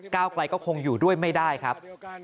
ไกลก็คงอยู่ด้วยไม่ได้ครับ